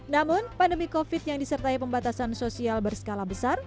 namun pandemi covid yang disertai pembatasan sosial berskala besar